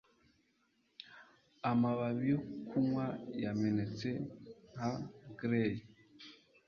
Amababi yo kunywa yamenetse nka Grail